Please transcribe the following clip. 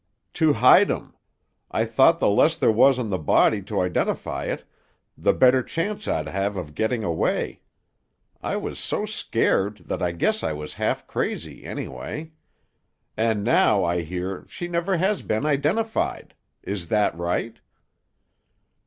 "To hide 'em. I thought the less there was on the body to identify it, the better chance I'd have of getting away. I was so scared that I guess I was half crazy, anyway. And now, I hear, she never has been identified. Is that right?"